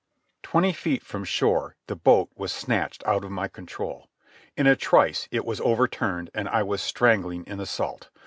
Twenty feet from shore the boat was snatched out of my control. In a trice it was overturned and I was strangling in the salt.